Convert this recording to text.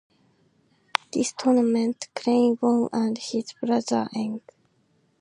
This tournament Klein won and his brother Eng.